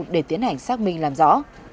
để tiến hành xác minh làm rõ